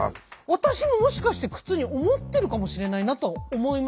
私ももしかして苦痛に思ってるかもしれないなと思いました。